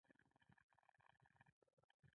دښته پراخه او بې پایه ده.